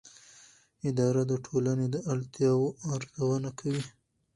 اداره د ټولنې د اړتیاوو ارزونه کوي.